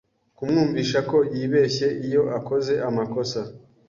kumwumvisha ko yibeshye iyo akoze amakosa.